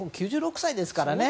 ９６歳ですからね